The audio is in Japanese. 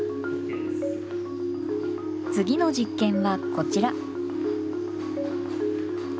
次の実験はこちら。